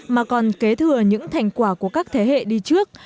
mà còn kế thừa những thành quả của các thế hệ đi trước